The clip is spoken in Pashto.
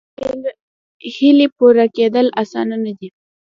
هیلې پوره کېدل اسانه نه دي.